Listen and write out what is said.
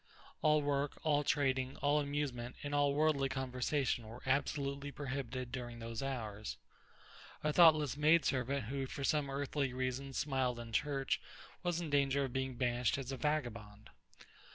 All work, all trading, all amusement, and all worldly conversation were absolutely prohibited during those hours. A thoughtless maid servant who for some earthly reason smiled in church was in danger of being banished as a vagabond.